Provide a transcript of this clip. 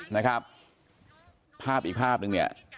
นะครับภาพอีกภาพนึงเนี่ย